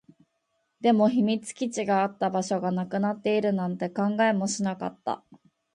でも、秘密基地があった場所がなくなっているなんて考えもしなかった